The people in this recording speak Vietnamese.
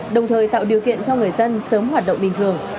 đồng thời tạo điều kiện cho người dân sớm hoạt động bình thường